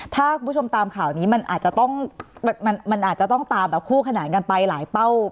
ถ้าคุณผู้ชมตามข่าวนี้มันอาจจะต้องมันอาจจะต้องตามแบบคู่ขนานกันไปหลายเป้า